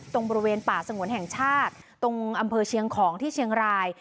ตรงบริเวณป่าสงวนแห่งชาติตรงอำเภอเชียงของที่เชียงราย